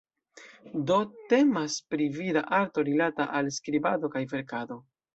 Do, temas pri vida arto rilata al skribado kaj verkado.